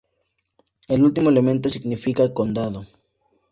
El último elemento significa condado.